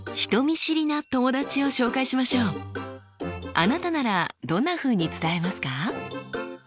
あなたならどんなふうに伝えますか？